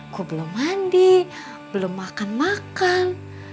gue belum mandi belum makan makan